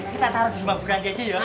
kita taruh di rumah bu ranti aja ya